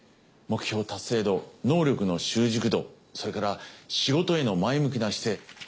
目標達成度能力の習熟度それから仕事への前向きな姿勢。